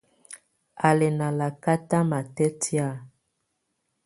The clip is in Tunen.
Á lɛ́ ná lakata matɛ́tɛ̀á.